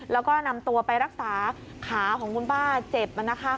แล้วก็นำตัวไปรักษาขาของคุณป้าเจ็บ